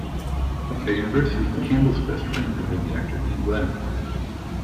At university, Campbell's best friend had been the actor Iain Glen.